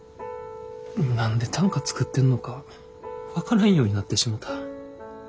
何で短歌作ってんのか分からんようになってしもた。